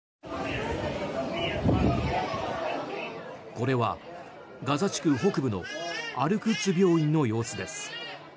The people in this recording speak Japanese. これはガザ地区北部のアルクッズ病院の様子です。